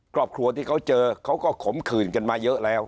ครอบครัวที่เขาเจอเขาก็ขมขื่นกันมาเยอะแล้ว